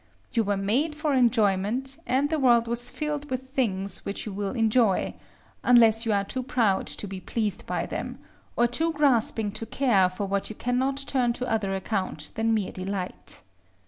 You were made for enjoyment, and the world was filled with things which you will enjoy, unless you are too proud to be pleased by them, or too grasping to care for what you cannot turn to other account than mere delight.